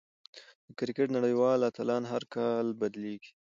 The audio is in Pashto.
د کرکټ نړۍوال اتلان هر کال بدلېږي.